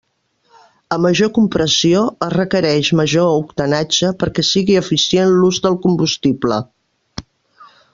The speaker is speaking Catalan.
A major compressió es requereix major octanatge perquè sigui eficient l'ús del combustible.